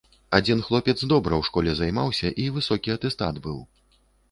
Адзін хлопец добра ў школе займаўся і высокі атэстат быў.